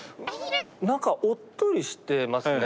何かおっとりしてますね。